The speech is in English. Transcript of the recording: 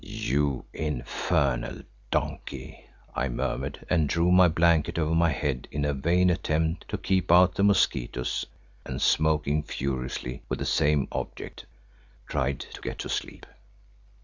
"You infernal donkey!" I murmured, and drew my blanket over my head in a vain attempt to keep out the mosquitoes and smoking furiously with the same object, tried to get to sleep.